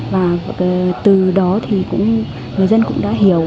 và từ đó thì cũng người dân cũng đã hiểu